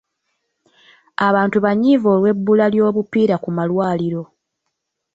Abantu banyiivu olw'ebbula ly'obupiira ku malwaliro.